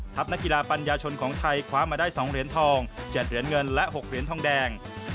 นักกีฬาปัญญาชนของไทยคว้ามาได้๒เหรียญทอง๗เหรียญเงินและ๖เหรียญทองแดง